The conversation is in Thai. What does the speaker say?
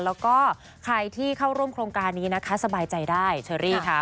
แล้วก็ใครที่เข้าร่วมโครงการนี้นะคะสบายใจได้เชอรี่ค่ะ